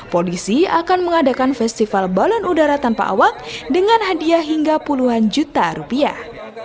polisi akan mengadakan festival balon udara tanpa awak dengan hadiah hingga puluhan juta rupiah